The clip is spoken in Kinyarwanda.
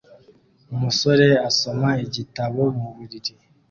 Umusore asoma igitabo muburiri